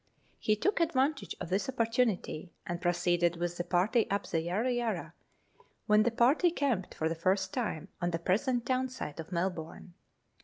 He took advantage of this opportunity, and pro ceeded with the party up the Yarra Yarra, when the party camped for the first time on the present town site of Melbourne.